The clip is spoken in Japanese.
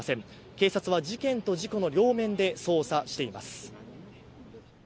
警察は事件と事故の両面で捜査しています。